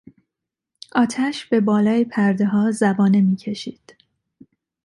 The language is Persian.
آتش به بالای پردهها زبانه میکشید.